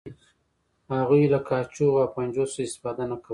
هغوی له کاچوغو او پنجو څخه استفاده نه کوله.